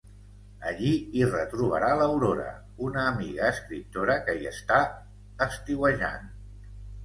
Allí hi retrobarà l'Aurora, una amiga escriptora que hi està estiuejant.